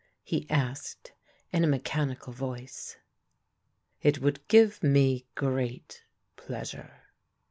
he asked in a mechanical voice. " It would give me great pleasure."